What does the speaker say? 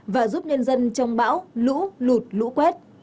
và giúp nhân dân trong bão lũ lụt lũ quét